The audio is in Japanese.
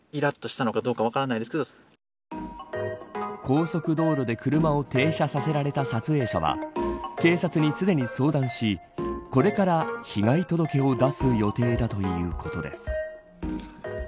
高速道路で車を停車させられた撮影者は警察に、すでに相談しこれから被害届を出す予定だということです。